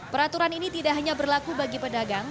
peraturan ini tidak hanya berlaku bagi pedagang